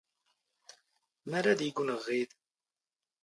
ⵎⴰ ⵔⴰⴷ ⵉⴳⵯⵏ ⵖ ⵖⵉⴷ?